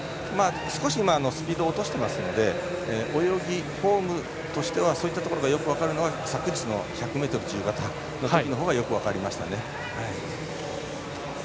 少しスピードを落としてますので泳ぎ、フォームとしてはそういったところよく分かるのは昨日の１００ｍ自由形のときのほうがよく分かりましたね。